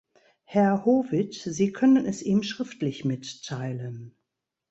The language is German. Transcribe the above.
Herr Howitt, Sie können es ihm schriftlich mitteilen.